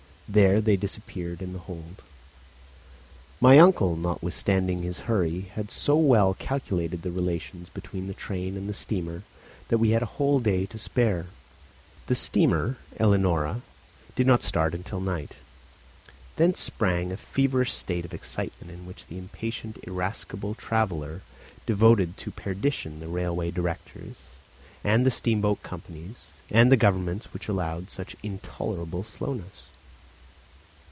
There they disappeared in the hold. My uncle, notwithstanding his hurry, had so well calculated the relations between the train and the steamer that we had a whole day to spare. The steamer Ellenora, did not start until night. Thence sprang a feverish state of excitement in which the impatient irascible traveller devoted to perdition the railway directors and the steamboat companies and the governments which allowed such intolerable slowness.